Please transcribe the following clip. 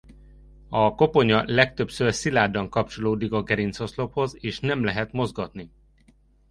A koponya legtöbbször szilárdan kapcsolódik a gerincoszlophoz és nem lehet mozgatni.